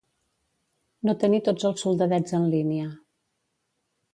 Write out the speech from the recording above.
No tenir tots els soldadets en línia.